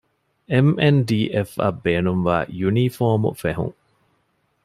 އެމް.އެން.ޑީ.އެފްއަށް ބޭނުންވާ ޔުނީފޯމު ފެހުން